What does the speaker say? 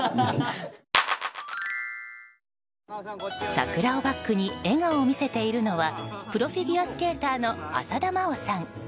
桜をバックに笑顔を見せているのはプロフィギュアスケーターの浅田真央さん。